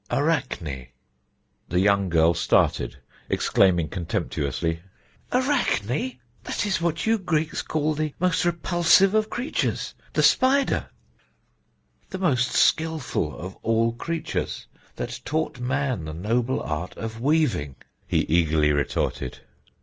"Arachne." The young girl started, exclaiming contemptuously: "Arachne? That is that is what you Greeks call the most repulsive of creatures the spider." "The most skilful of all creatures, that taught man the noble art of weaving," he eagerly retorted.